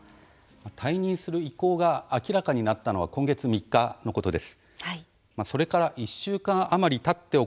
退任する意向が明らかになったのは今月３日のことです。